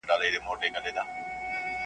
یوه نه زر خاطرې .